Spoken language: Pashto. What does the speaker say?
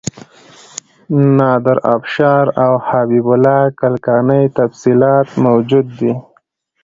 د نادر شاه افشار او حبیب الله کلکاني تفصیلات موجود دي.